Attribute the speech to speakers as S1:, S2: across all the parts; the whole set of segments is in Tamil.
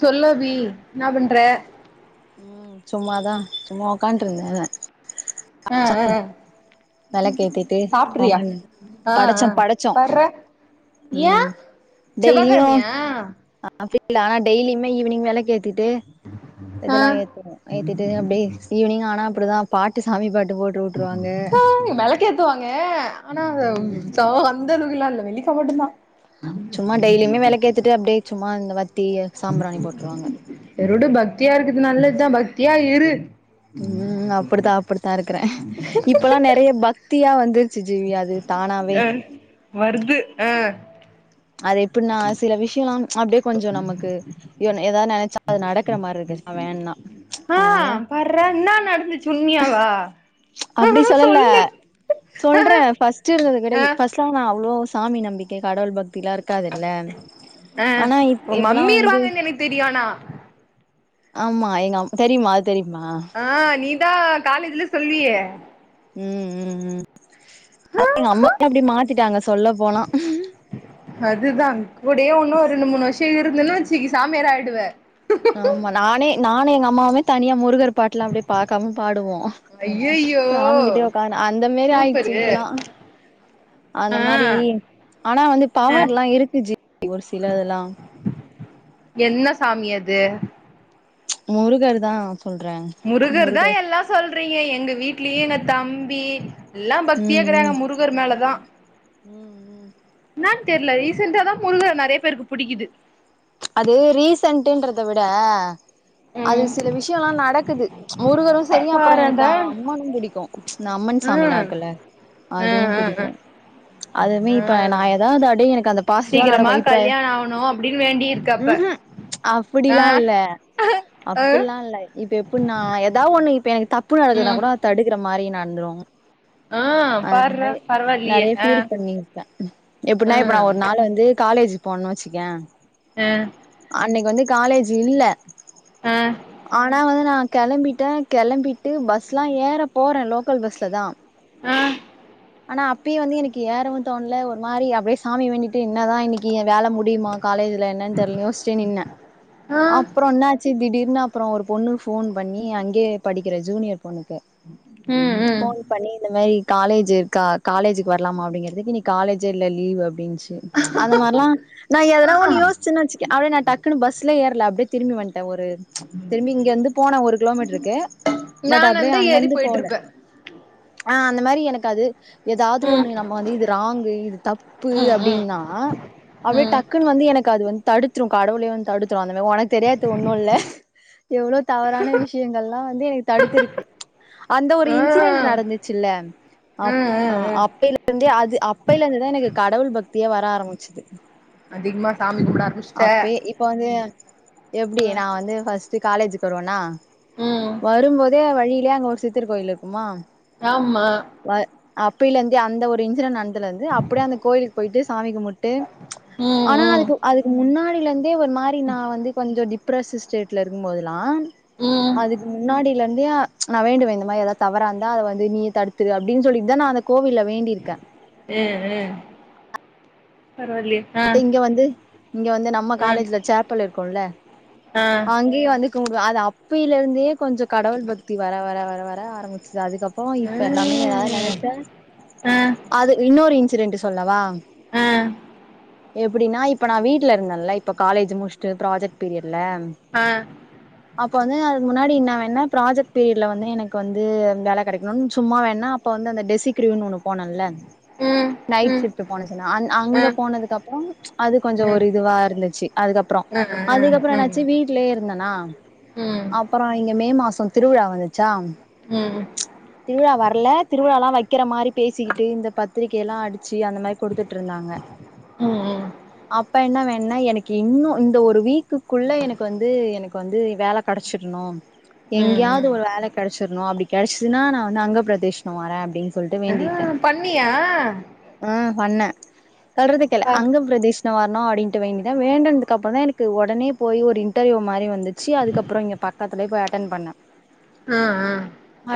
S1: சொல்லு அபி என்ன பண்ற
S2: ம் சும்மாதா சும்மா உக்கான்ருந்தே
S1: அ அ
S2: வேளக்கேத்திட்டு
S1: ஆ ஆ
S2: படைச்சோ படைச்சோ
S1: பார்றா ஏ
S2: ம் டெய்லியு
S1: செவ்வாகெழமையா
S2: அப்டி இல்ல ஆனா டெய்லியுமே ஈவினிங் விளக் கேத்தி த்திட்டு
S1: ஆ
S2: இதெல்லா ஏத்துவே ஏத்திட்டு அப்டி ஈவினிங் ஆனா அப்டுதா பாட்டு சாமி பாட்டு போட்டு வுட்ருவாங்க
S1: [unintelligible] விளக்கு ஏத்துவாங்க ஆனா
S2: ம்
S1: சோ அந்த அளவுக்குல்லா வெள்ளிக்கிழம மட்டு தா
S2: சும்மா டெய்லியுமே விளக்கு ஏத்திட்டு அப்டியே சும்மா இந்த மாரி
S1: சரி உடு பக்தியா இருக்குது நல்லதுதா பக்தியா இரு
S2: ம் அப்டிதா அப்டித்தா இருக்றே இப்பல்லா நிறைய பக்தியா வந்து சி சி வி அது தானாவே
S1: அ வருது ஆஹ்
S2: அது எப்டி நா சில விஷயோலா அப்டியே கொஞ்சோ நமக்கு ஏதா நினச்சா அது நடக்கிற மார்ரி இருக்கு வேண்டுன
S1: ஆ
S2: அதனால
S1: பார்றா என்ன நடந்துச்சு உண்மையாவா
S2: அப்டி சொல்லல
S1: சொல்லு
S2: சொல்றே பஸ்ட்டு இருந்தத விட
S1: ஆ
S2: இப் பஸ்ட்லா நா அவ்ளோ சாமி நம்பிக்கை கடவுள் பக்திலா இருக் இருக்காதுல்ல
S1: ஆ
S2: ஆனா இப்
S1: உங்க
S2: இப்பலா
S1: மம்மி
S2: வந்து
S1: இருவாங்கன்னு எனக்கு தெரியு ஆனா
S2: ஆமா எங்க அம் தெரியுமா தெரியுமா
S1: ஆஹ் நீதா காலேஜ்ல சொல்லியே
S2: ம் ம் ம் அது எங்க அம்மால்லா அப்டி மாத்திட்டாங்க சொல்ல போனா
S1: அதுதா கூடயே ஒன்னு ஒரு ரெண்டு மூணு வருஷ இருந்தன்னு வச்சிக்கோ சாமியாரா ஆயிடுவே
S2: ஆமா நானே நானே எங்க அம்மாவுமே தனியா முருகர் பாட்டுல்லா அப்டியே பாக்காம பாடுவோ
S1: ஐயையோ
S2: சாமி கிட்டே உக்காந் அந்த மேரி ஆயிடுச்சு
S1: சூப்பரு
S2: இப்போலா அந்த
S1: ஆ
S2: மாரி ஆனா வந்து பவர்ல்லா இருக்கு ஜி ஒரு சிலதுலா
S1: என்ன சாமி அது
S2: முருகர் தா சொல்றே
S1: முருகர் தா எல்லா சொல்றீங்க எங்க வீட்லயு எங்க தம்பி எல்லா பக்தியா
S2: ம்
S1: இக்குறாங்க
S2: ம்
S1: முருகர் மேலதா
S2: ம் ம்
S1: என்ன தெர்ல ரிசண்டாதா முருகர் நிறைய பேருக்கு பிடிக்குது
S2: அது ரீசன்ட்டுன்றத விட அது
S1: ம்
S2: சில விஷயோல்லா நடக்குது முருகரு சரி அப்றோ எனக்கு
S1: பாரேன்டா
S2: அம்மனு பிடிக்கு இந்த அம்மன் சாமில்லா
S1: ம்
S2: இருக்குலா
S1: ம்
S2: அதுவு
S1: ம் ம்
S2: புடிக்கும் அதுமே இப்ப நா
S1: ம்
S2: ஏதாவது அப்டி எனக்கு அந்த பாசிட்டிவா
S1: சீக்கிரமா
S2: நடக்கும் இப்ப
S1: கல்யாணோ ஆவணு அப்டின்னு வேண்டி இருக்க
S2: ம்
S1: அப்ப
S2: கு
S1: ஆ
S2: அப்டில்லா இல்ல
S1: ஆ
S2: அப்பில்லா இல்ல இப்ப எப்புன்னா ஏதா ஒண்ணு இப் இப்ப எனக்கு தப்பு நடக்குதுனா
S1: ம்
S2: கூட அத தடுக்குற மாரி நடந்துரு
S1: ஆ
S2: அ
S1: பார்றா
S2: நிறைய
S1: பரவாயில்லியே
S2: நிறைய
S1: ஆ
S2: ஃபீல் பண்ணிருபே
S1: ஆ
S2: எப்டின்னா இப்ப நா ஒரு நாள் வந்து காலேஜ் போணு வச்சுக்கே
S1: [unintelligible]
S2: அன்னைக்கு வந்து காலேஜ் இல்ல
S1: ஆ
S2: ஆனா வந்து நா கிளம்பிட்டே கிளம்பிட்டு பஸ்ல்லா ஏற போற லோக்கல் பஸ்ல தா
S1: ஆ
S2: ஆனா அப்பயு வந்து எனக்கு ஏறவு தோணல ஒரு மாரி அப்டியே சாமி வேண்டிட்டு என்னதா இன்னைக்கு வேல முடியுமா காலேஜ்ல என்னன்னு தெர்ல யோஸ்சு நின்ன
S1: ஆ
S2: அப்றோ என்னாச்சு திடீ ன்னு அப்றோ ஒரு பொண்ணுக்கு ஃபோன் பண்ணி அங்கே படிக்கற ஜூனியர் பொண்ணுக்கு
S1: ம் ம்
S2: ஃபோன் பண்ணி இந்த மரி காலேஜ் இருக்கா காலேஜுக்கு வர்லாமா அப்டின் கேட்டதக்கு இனி காலேஜே ல்ல லீவு அப்டின் ச்சு அந்த மார்ல்லா நா எதனா
S1: ஆ
S2: ஒன்னு யோஸ்ச்சனா வச்சுக்கு அப்டே நா டக்குனு பஸ்லே ஏர்ல அப்டே திரும்பி வந்துன் ஒரு திரும்பி இங்கந்து போன ஒரு கிலோமீட்ருக்கு பட் அப்டே
S1: நானாந்தா ஏறி
S2: அங்கருந்து போல
S1: போயிட்ருப்பே
S2: ஆ அந்த மாரி எனக்கு அது எதாது
S1: ம்
S2: ஒன்னு நம்ம வந்து இது ராங்கு இது தப்பு
S1: ம் ம்
S2: அப்டின்னா அப்டே
S1: ம்
S2: டக்குன்னு வந்து எனக்கு அது வந்து தடுத்துரு கடவுளே வந்து தடுத்துரும் அந்த ஒனக் தெரியாது ஒன்னு இல்ல எவ்ளோ தவறான விஷ்யங்கள்லா வந்து எனக்கு தடுத்துருக்கு அந்த ஒரு
S1: ஆ
S2: இன்சிடென்ட் நடந்துச்சுல்ல அப் ஆ அப்பைலேந்தே அது அப்பைலந்து தா எனக்கு கடவுள் பக்தியே வர ஆரம்பிச்சுது
S1: அதிகமா சாமி கும்ட ஆரம்பிச்ட்ட
S2: அப்பே இப்ப வந்து எப்டி நா வந்து ஃபஸ்ட்டு காலேஜுக்கு வருவன்னா
S1: ம்
S2: வரும்போதே வழி ஏ அங்க ஒரு சித்திர் கோயில் இருக்குமா
S1: ஆமா
S2: அப்பைலேந்தே அந்த ஒரு இன்சிடென்ட் நந் த்தலேந்து அப்டே அந்த கோயிலுக்கு போயிட்டு சாமி கும்முட்டு
S1: ம்
S2: ஆனா
S1: ம்
S2: அதுக்கு க்கு முன்னாடி லேந்தே ஒரு மாரி நா வந்து கொஞ்சோ டிப்ரஸ் ஸ்டேட்ல இருக்கும்போதெல்லா
S1: ம்
S2: அதுக் முன்னாடி லந்தே நா வேண்டுவே இந்த மாரி எதா தவறாந்தா அத வந்து நீ தடுத்துடு அப்டின் சொல்லிட் தா நா அத கோவில்ல வேண்டிருக்கே
S1: ம் ம் பரவாயில்லியே ஆ
S2: அத்து இங்க வந்து இங்க வந்து நம்ம
S1: ஆ
S2: காலேஜ்ல சேப்புல் இருக்குல்ல
S1: ஆ
S2: அங்கியு வந்து [unintelligible] அது அப்பைலேந்தே கொஞ்சோ கடவுள் பக்தி வர வர வர வர ஆரம்பிச்சிது அதுக்கப் இப்பவு இப்ப எல்லாமே எதாது
S1: ம்
S2: நெனச்ச
S1: ஆ
S2: அதுக் இன்னொரு இன்சிடென்ட்டு சொல்லவா
S1: ஆ
S2: எப்டின்னா இப்ப நா வீட்ல இருந்தேன்ல இப்ப காலேஜ் முச்சிட்டு ப்ராஜெக்ட் பீரியட்ல
S1: ஆ
S2: அப்ப வந்து அதுக்கு முன்னாடி என்ன வேண்ன ப்ராஜெக்ட் பீரியட்ல வந்து எனக்கு வந்து வேல கெடைக்கணுன் சும்மா வேண்ன அப்ப வந்து அந்த டெசிக்ரியு ஒன்னு போனல்ல
S1: ம்
S2: நைட்
S1: ம்
S2: ஷிஃப்ட்டு போனுச்சுனா அங்
S1: ஆ
S2: அங்க போனதுக்கப்றோ அது கொஞ்சோ
S1: ம்
S2: ஒரு இதுவா இருந்துச்சு அதுக்கப்றோ
S1: ஆ ஆ ஆ
S2: அதுக்கப்றோ
S1: ம்
S2: என்னாச் சு வீட்லே இருந்தனா
S1: ம்
S2: அப்பறோ இங்க மே மாசோ திருவிழா வந்துச்சா
S1: ம்
S2: திருவிழா வர்ல திருவிழாலா வைக் வக்கிற மாரி பேசிக்கிட்டு இந்த பத்திரிக்கையெல்லா அடிச்சு அந்த மாரி குடுத்துட் ட்ருந்தாங்க
S1: ம்
S2: அப்ப என்ன வேண்ன எனக்கு இன்னு இந்த ஒரு வீக்குக் குள்ள எனக்கு வந்து எனக்கு வந்து வேல கெடைச்சிண்ணு
S1: ம்
S2: எங்யாது
S1: ம்
S2: ஒரு வேல கெடைச் சுன்னு அப்டி கெடைச்சுதுன்னா நா வந்து அங்க பிரதேஷ்னு வரே அப்டின் சொல்ட்டு
S1: ஆ
S2: வேண்டிட்டே
S1: பண்ணியா
S2: ம் பண்ண கருதிக்கல
S1: ஆ
S2: அங்க பிரதேஷ்னம் வர்ணு அப்டின்ட்டு வேண்டிதா வேண்டதுக்கப்ற தா எனக்கு ஒடனே போய் ஒரு இன்டர்வியூ மாரி வந்துச்சு அதுக்கப்றோ இங்க பக்கத்துலே போய் அட்டென் பண்ண
S1: ஆ ஆ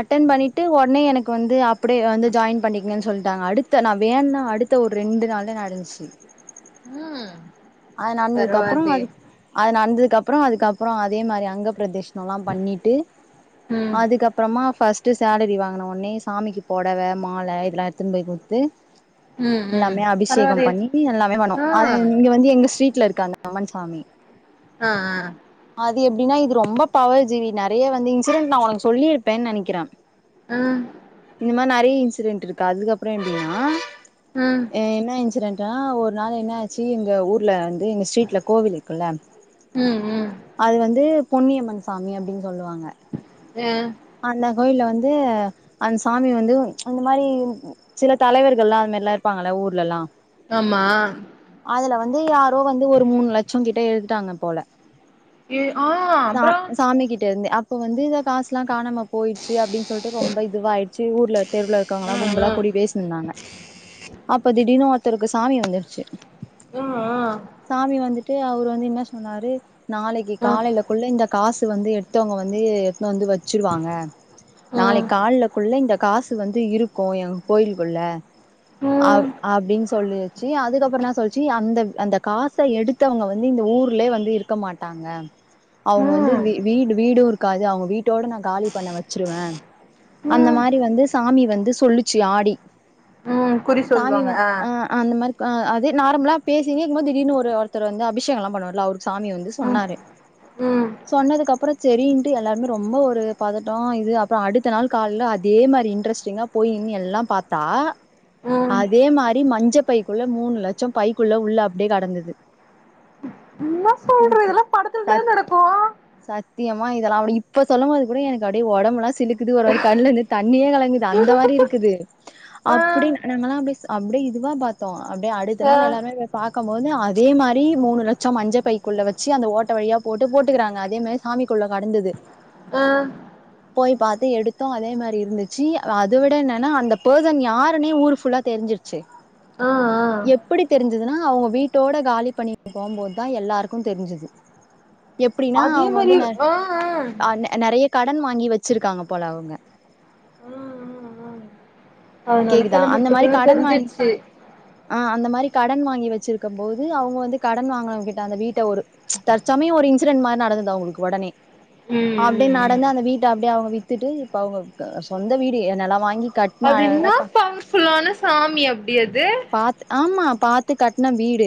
S2: அட்டன் பண்ணிட்டு ஒன்னே எனக்கு வந்து அப்டே வந்து ஜாயின் பண்ணிக்குங்கன் சொல்ட்டாங்க அடுத்த நா வேண்ண அடுத்த ஒரு ரெண்டு ண்டு நாள்ல நடந்துச்சு
S1: ம்
S2: அது நந்ததுக்கு அப்றோ
S1: பரவால்லயே
S2: வந் அது நடந்ததுக்கு அப்றோ அப்றோ அதுக்கப்றோ அதே மாரி அங்க பிரதேஷ்னலா பண்ணிட்டு
S1: ம்
S2: அதுக்கப்றமா ஃபஸ்ட்டு சேலரி வாங்குன ஒன்னே சாமிக்கு பொடவ மால இதெல்லா எடுத்துன் போய் குடுத்து
S1: ம் ம்
S2: மே அபிஷேகம்
S1: பரவால்லயே
S2: பண்ணிட்டு எல்லாமே பண்ணோ
S1: ஆ
S2: அது இங்க வந்து எங்க ஸ்ட்ரீட்ல இருக்கு அந்த அம்மன் சாமி
S1: அ அ
S2: அது எப்டின்னா இது ரொம்ப பவர் ஜீவி நெறைய அந்த இன்சிடென்ட் நா உனக்கு சொல்லிருப்பேன்னு நெனைக்கிற
S1: ம்
S2: இந்த மாரி நெறைய இன்சிடென்ட் இருக்கு அதுக்கப்றோ எப்டின்னா
S1: ம்
S2: ஏ என்ன இன்சிரென்ட்னா ஒரு நாள் என்ன ஆச்சு எங்க ஊர் ர்ல வந்து எங்க ஸ்ட்ரீட்ல கோவில் இருக்குல்ல
S1: ம் ம்
S2: அது வந்து பொன்னியம்மன் சாமி அப்டின்னு சொல்லுவாங்க
S1: ஆ
S2: அந்த கோயில்ல வந்து அந் சாமி வந்து அந்த மாரி சில தலைவர்கள்லா இந்த மாரில்லா இருப்பாங்கள ஊர்லல்லா
S1: ஆமா
S2: அதுல வந்து யாரோ வந்து ஒரு மூணு லட்சோ கிட்ட எடுத்துட்டாங்க போல
S1: ஏ ஆ
S2: சா
S1: அப்றோ
S2: சாமி கிட்ட இருந்து அப்ப இப்ப வந்து இத காசல்லா காணாம போயிச்சு அப்டின்னு சொல்ட்டு ரொம்ப இதுவாயிருச்சு ஊர்ல தெருல இருக்காங்கெளல்லா
S1: ஆ
S2: கும்பலா
S1: ஆ
S2: கூடி பேசினுருந்தாங்க அப்ப திடீர்னு ஒருத்தருக்கு சாமி வந்துருச்சு
S1: ஆ ஆ
S2: சாமி வந்துட்டு அவரு வந்து என்ன சொன்னாரு நாளைக்கு
S1: ஆ
S2: காலைல குள்ள இந்த காசு வந்து எடுத்தவங்க வந்து எட்னு வந்து வெச்சிருவாங்க
S1: ம்
S2: நாளைக்கி கால்லக்குள்ள இந்த காசு வந்து இருக்கு எங் கோயிலுக்குள்ள அ
S1: ம்
S2: அப்டின்னு சொல்லிச்சு அதுக்கப்றோ என்ன சொல்ச்சு அந்த அந்த காச எடுத்தவங்க வந்து இந்த ஊர்லயே வந்து இருக்க மாட்டாங்க அவங்க வந்து
S1: ம்
S2: வீட் வீடு இருக்காது அவங்க வீட்டோட நா காலி பண்ண வெச்சிருவே அந்த
S1: ம்
S2: மாரி வந்து சாமி வந்து சொல்லுச்சு ஆடி
S1: ம் குறி சொல்லுவாங்க
S2: சாமிவன்
S1: ஆ
S2: அ அ அந்த மாரி அதே நார்மலா பெசினே இருக்கும் போது திடீனு ஒருத்தர் வந்து அபிஷேகோல்லா பண்ணுவார்ல அவருக்கு சாமி வந்து
S1: ம்
S2: சொன்னாரு
S1: ம்
S2: சொன்னதுக்குப்புறோ செரின்ட்டு எல்லாருமே ரொம்ப ஒரு பதட்டோ இது அப்றோ அடுத்த நாள் கால்ல அதே மாத மாரி இன்ட்ரெஸ்டிங்கா போயின்னு எல்லா பாத்தா
S1: ம்
S2: அதே மாரி மஞ்ச பைக்குள்ள மூணு லட்சோ பைக்குள்ள உள்ள அப்டியே கெடந்துது
S1: என்ன சொல்ற
S2: ஓகே
S1: இதெல்லா படத்துல தான
S2: சத்
S1: நடக்கு ஆ
S2: சத்தியமா இதெல்லா இப்ப சொல்லும்போது கூட எனக்கு அப்டியே ஒடம்புல்லா சிலுக்குது ஒரு மாரி கண்ணுல இருந்து தண்ணியே கலங்குது அந்த அந்த மாரி இருக்குது அப்டி நாங்கல அப்டி அப்டியே இதுவா பாத்தோ அப்டியே அடுத்த
S1: ஆ
S2: நாள் எல்லாருமே பாக்கும்போது அதே மாரி மூணு லட்சோ மஞ்ச பைக்குள்ள வெச்சு அந்த ஓட்ட வழியா போட்டு போட்டு க்கறாங்க அதே மாரி சாமிக்குள்ள கெடந்துது
S1: அ
S2: போய் பாத்து எடுத்தோ அதே மாரி இருந்துச்சு அத விட என்னன்னா அந்த பெர்சன் யாருனே ஊர் ஃபுல்லா தெ தெரிஞ்சிருச்சு
S1: ஆ ஆ
S2: எப்டி தெரிஞ்சதுன்னா அவங்க வீட்டோட காலி பண்ணி போகுபோதுதா எல்லாருக்கு தெரிஞ்சுது எப்டின்னா
S1: அதே
S2: அவங்க
S1: மாரி
S2: வந்து நெறை
S1: ஆ ஆ
S2: அ நெறைய க டன் வாங்கி வெச்சிருக்காங்க போல அவங்க
S1: அதனால
S2: கேக்குதா அந்த மாரி
S1: கெளம்பிட்ருக்குன்னு
S2: கடன் வாங்கி
S1: தெரிஞ்சிருச்சு
S2: அ அந்த மாரி கடன் வாங்கி வெச்சிருக்கும் போது அவங்க வந்து கடன் வாங்னவங்கிட்ட அந்த வீட்ட ஒரு தற்சமய ஒரு இன்சிடென் மாரி நட ந்தது அவ்ங்ளுக்கு ஒடனே
S1: ம்
S2: அப்டியே
S1: ம் ம்
S2: நடந்து அந்த வீட்ட அப்டியே அவங்க வித்துட்டு இப்ப அவங்க சொந்த வீடு நெலோ வாங்கி கட்ன
S1: அது
S2: அழகா
S1: இன்னா பவர்ஃபுல்லான சாமி அப்டி அது
S2: பாத் ஆமா பாத்து கட்ன வீடு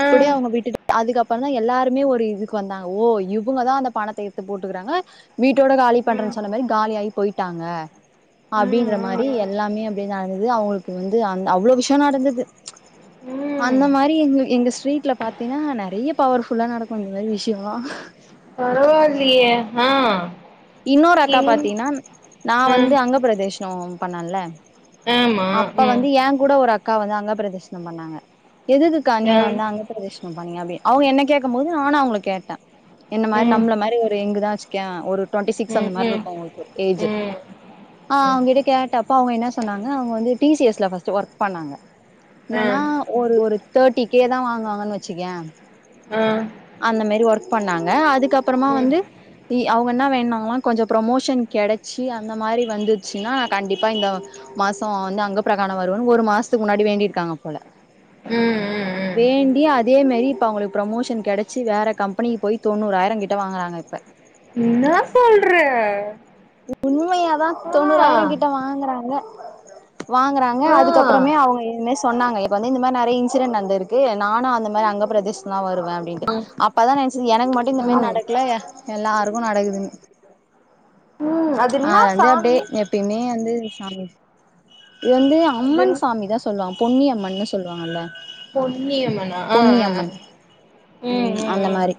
S1: ஆ
S2: அவங்க விட்டுட்டு அதுக்கப்றோ தா எல்லாருமே ஒரு இதுக்கு வந்தாங்க ஓ இவுங்கதா அந்த பணத்த எடுத்து போட்டுக்றாங்க வீட்டோட காலி
S1: ம்
S2: பண்றன்னு சொன்ன மாரி காலியாயி போய்ட்டாங்க
S1: ம்
S2: அப்டின்ற மாரி
S1: ம்
S2: எல்லாமே அப்டியே நடந்துது அவங்ளுக்கு வந்து அந்த் அவ்ளோ விஷயோ நடந்துது
S1: ம்
S2: அந்த மாரி எங்க எங்க ஸ்ட்ரீட்ல பாத்தீன்னா நெறைய பவர்ஃபுல்லா நடக்கு இந்த மாரி விஷயோல்லா
S1: பரவா இல்லியே அ
S2: இன்னொரு அக்கா பாத்தீன்னா நா
S1: ஆ
S2: வந்து அங்க பிரதேஷனோ பண்ணெல்ல
S1: ஆமா
S2: அப்ப
S1: ம்
S2: வந்து எங்கூட ஒரு அக் கா வந்து அங்க பிரதேர்ஷனம் பண்ணாங்க எதுகுக்கா
S1: ஆ
S2: நீங்க வந்து அங்க பிரதேஷ் னம் பனீங்க அப்டி அவங்க என்ன கேக்கும் போது நானு அவங்கள கேட்ட என்ன மாரி
S1: ம்
S2: நம்மள மாரி ரேங்குதா வச்சுக்கிய ஒரு டுவெண்டி சிக்ஸ் அந்த
S1: ம் ம்
S2: மார்ருக்கு அவுங்களுக்கு ஏஜ்
S1: ம்
S2: ஆ
S1: ம்
S2: அவங்கிட்ட கேட்டப்ப அவங்க என்ன சொன்னாங்க அவங்க வந்து டி சி எஸ் ல ஃபஸ்ட் ஒர்க் பண்ணாங்க.
S1: ஆ ஆ
S2: என்னனா
S1: ம்
S2: ஒரு ஒரு தேட்டி கே தா வாங்குவாங்கன்னு வச்சிக்கேயே அந்த மேரி ஒர்க் பண்ணாங்க அதுக்கப்புறமா
S1: ம் ம்
S2: வந்து தி அவங்க என்ன வேண்ட்னாங்களா கொஞ்சொ ப்ரமோஷன் கெடச்சி அந்த மாரி வந்துச்சுன்னா கண்டிப்பா இந்த மாசோ வந்து அங்க பிரகாணம் வருவன்னு ஒரு மாஸ்த்க்கு முன்னாடி வேண்டியிருக்காங்க போல
S1: ம்
S2: வேண்டி அதே மேரி இப்ப அவுங்ளுக்கு ப்ரமோஷன் கெட ச்சி வேற கம்பெனி போய் தொண்ணூறாயிரங் கிட்ட வாங்றாங்க இப்ப
S1: என்னா சொல்ற
S2: உண்மையாதா
S1: ஆ
S2: தொண்ணூறாயிரங் கிட்ட வாங்குறாங்க வாங்குறாங்க
S1: ஆ
S2: அதுக்கப்புறமே அவங்க இதுனே சொன்னாங்க இப்ப வந்து இந்த மாரி நெறைய இன்சிடென்ட் நடந்துருக்கு நானு அந்த மார் அ அங்க பிரதேஷனம் வருவ அப்டின்ட்டு அப்பதா நெனச்சுது எனக் மட்டும் இந்த மாரி
S1: ம்
S2: நடக்கல எல்லாருக்கு நடக்குது உம்
S1: ம் என்னா
S2: அது வந்து அப்டியே
S1: சாமி
S2: எப்பயுமே வந்து விட் சாமி இது வந்து
S1: அது
S2: அம்மன்
S1: என்ன?
S2: சாமிதா சொல்லுவாங் பொன்னி அம்மன்னு சொல்லுவாங்கல்ல
S1: பொன்னியம்மனா ஆ
S2: பொன்னி
S1: ஆ
S2: அம்மன் ம் அந்த மாரி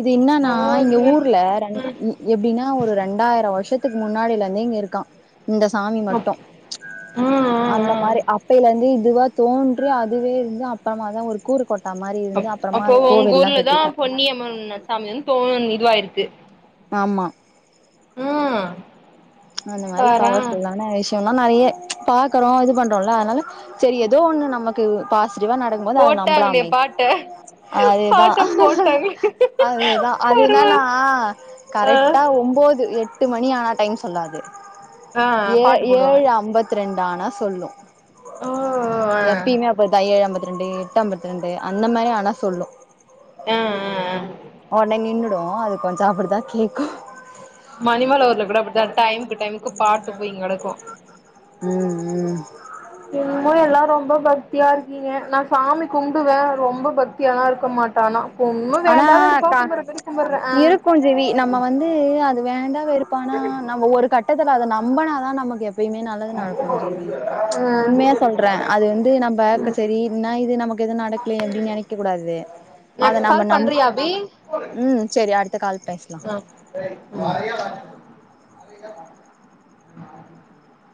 S2: இது இன்னன்னா இங்க
S1: பரவால்லயே
S2: ஊர்ல ரெண் ம் எப் ன ஒரு ரெண்டாயிரோ வர்ஷத்துக்கு முன்னாடிலேந்தே இங்க இருக்கா இந்த சாமி
S1: அப்
S2: மட்டு
S1: ஆ ஆ ஆ
S2: அந்த மாரி அப்பையிலந்து இதுவா தோன்றி அதுவே இருந்து அப்பறமாதா ஒரு கூறு கொட்டாங்
S1: அப் அப்போ உங்க ஊர்லதா பொன்னியம்மன் சாமி வந்து தோன் இதுவாயிருக்கு.
S2: ஆம்மா
S1: ம்
S2: அந்த மாரி
S1: பார்றே
S2: பவர்ஃபுல்லான விஷ் யம்லா நெறைய பாக்குறோ இது பண்றோல அதனால சரி எதோ ஒன்னு நமக்கு பாஸ் டிவா நடக்கும் போது அத
S1: போட்டாங்களே
S2: நம்பலாமே
S1: பாட்ட
S2: அதேதா
S1: பாட்ட போட்டாங்களே
S2: அதேதா அது என்னன்னா
S1: பரவால் ஆ
S2: கரெக்டா ஒம்போது எட்டு மணி ஆனுஐஐ டைம் சொல்லாது
S1: ஆ
S2: ஏ
S1: பாட்டு போடுவாங்க
S2: ஏழு ஐம்பத்ரெண் தானா சொல்லு
S1: ஓ ஆ
S2: எப்பயுமே அப்ப [unintelligible] த்திரண்டு எட்டம்பத்ரெண்டு அந்த மாரி ஆனா சொல்லு
S1: ம் ம் ம்
S2: ஒனே நின்னுடு அது கொஞ்சொ அப்டிதா கேக்கு
S1: மணிமல ஊர்ல கூட அப்டித்தா டைமுக்கு டைமுக்கு பாட்டு போயிங் கெடக்கு
S2: ம் ம்
S1: தியா இருக்கீங்க நா சாமி கும்புடுவே ரொம்ப பக்தியாலா இருக்க மாட்ட ஆனா ஒன்னு
S2: ஆனா
S1: வேண்டா வெறுப்பா
S2: ட
S1: கும்புற மாரி கும்புட்றே ஆ
S2: இருக்கு ஜீவி நம்ம வந்து அது வேண்டா வெறுப்பானா அ நம்ப ஒரு கட்டத்துல அத நம்பனாதா நமக்கு எப்பயுமே நல்லது நடக்கு ஜீவி
S1: ஆ
S2: உண்மையா சொல்ற அது வந்து நம்பக் சரின்னா இது நமக்கு எது நடக்லேயே அப்டின் நெனைக்க கூடாது. அத
S1: [inaudible]
S2: நம்ம
S1: கால்
S2: நம்
S1: பண்றியா அபி
S2: ம் சரி அடுத்த கால் பேசலா
S1: அ
S2: ம்
S1: ம் [inaudible]